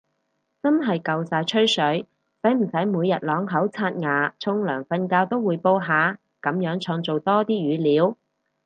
真係夠晒吹水，使唔使每日啷口刷牙沖涼瞓覺都滙報下，噉樣創造多啲語料